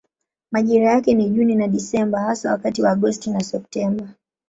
Majira yake ni Juni na Desemba hasa wakati wa Agosti na Septemba.